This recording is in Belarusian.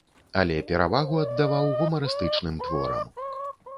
Але перавагу аддаваў гумарыстычным творам.